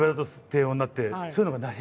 そういうのがない。